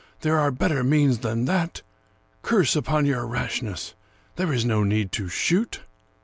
there are better means than that. Curse upon your rashness! There is no need to shoot."